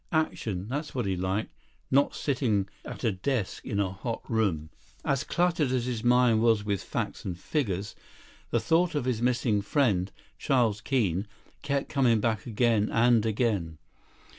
Action, that's what he liked. Not sitting at a desk in a hot room. 66 As cluttered as his mind was with facts and figures, the thought of his missing friend, Charles Keene, kept coming back again and again.